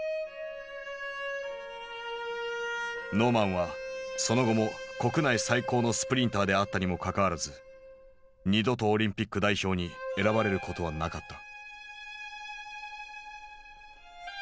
ノーマンはその後も国内最高のスプリンターであったにもかかわらず二度とオリンピック代表に選ばれることはなかった。